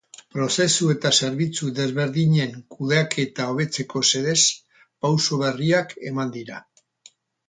Prozesu eta zerbitzu desberdinen kudeaketa hobetzeko xedez, pauso berriak eman dira.